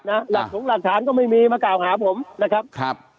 น่ะหลักสูงหลักฐานก็ไม่มีมาก้าวหาผมนะครับ